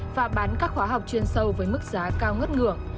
và bán các khóa học chuyên sâu với mức giá cao ngất ngửa